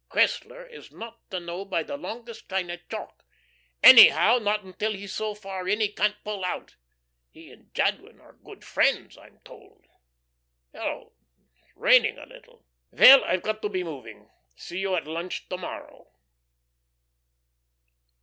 Cressler is not to know by the longest kind of chalk; anyhow not until he's so far in, he can't pull out. He and Jadwin are good friends, I'm told. Hello, it's raining a little. Well, I've got to be moving. See you at lunch to morrow."